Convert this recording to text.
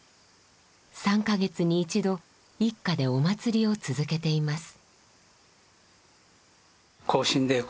３か月に一度一家でお祀りを続けています。